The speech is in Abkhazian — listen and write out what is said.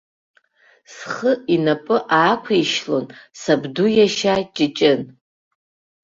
Схы инапы аақәишьлон сабду иашьа ҷыҷын.